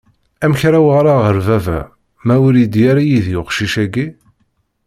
Amek ara uɣaleɣ ɣer baba, ma ur iddi ara yid-i uqcic-agi?